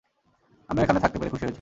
আমিও এখানে থাকতে পেরে খুশি হয়েছি।